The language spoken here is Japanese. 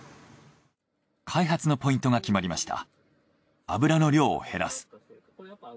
開発のポイントが決まりました。